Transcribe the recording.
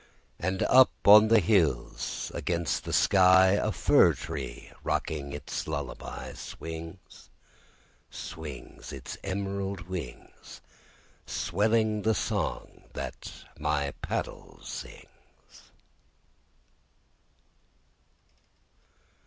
And up on the hills against the sky, A fir tree rocking its lullaby, Swings, swings, Its emerald wings, Swelling the song that my paddle sings.